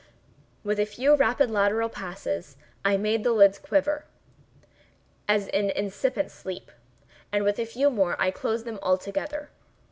With a few rapid lateral passes I made the lids quiver, as in incipient sleep, and with a few more I closed them altogether.